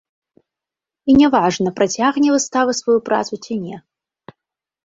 І не важна працягне выстава сваю працу ці не.